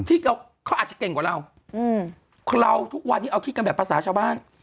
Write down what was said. ที่เขาอาจจะเก่งกว่าเราอืมเราทุกวันนี้เอาคิดกันแบบภาษาชาวบ้าน